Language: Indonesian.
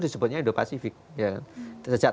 disebutnya indo pasifik sejak